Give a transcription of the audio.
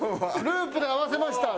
ループで合わせました。